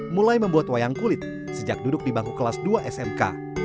mulai membuat wayang kulit sejak duduk di bangku kelas dua smk